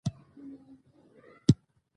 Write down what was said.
خطر د هرې پانګونې مهم عنصر دی.